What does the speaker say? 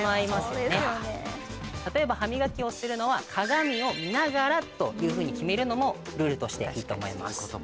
例えば「歯磨きをするのは鏡を見ながら」というふうに決めるのもルールとしていいと思います。